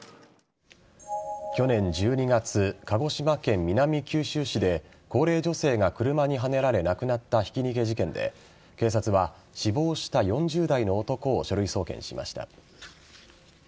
去年１２月鹿児島県南九州市で高齢女性が車にはねられ亡くなったひき逃げ事件で警察は、死亡した４０代の男を書類送検しました。